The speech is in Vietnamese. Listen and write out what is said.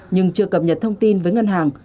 nhưng chưa cập nhật thông tin với ngân hàng